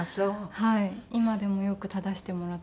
はい。